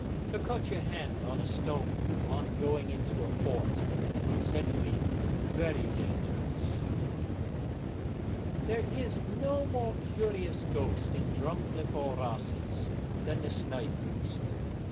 To cut your hand on a stone on going into a fort is said to be very dangerous. There is no more curious ghost in Drumcliff or Rosses than the snipe ghost.